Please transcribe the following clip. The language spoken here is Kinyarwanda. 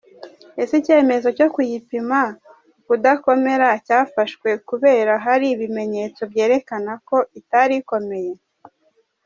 Ese icyemezo cyo kuyipima ukudakomera cyafashwe kubera hari ibimenyetso byerekanaga ko itari ikomeye ?